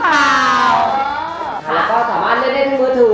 แล้วก็สามารถจะเล่นที่มือถือ